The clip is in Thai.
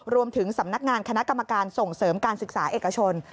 รวมถึงสำนักงานคณะกรรมการส่งเสริมการศึกษาเอกชน